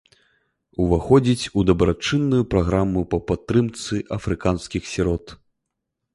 Уваходзіць у дабрачынную праграму па падтрымцы афрыканскіх сірот.